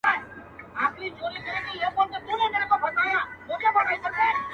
قاضي و ویله هیڅ پروا یې نسته,